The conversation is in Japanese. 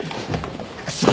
クソ！